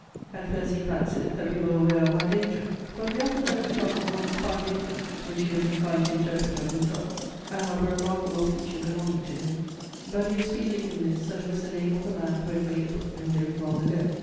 At first he fancied, that we were aware of our danger; for he often heard me talk of one Spy Nozy, which he was inclined to interpret of himself, and of a remarkable feature belonging to him; but he was speedily convinced that it was the name of a man who had made a book and lived long ago.